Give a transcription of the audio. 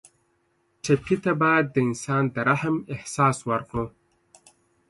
ټپي ته باید د انسان د رحم احساس ورکړو.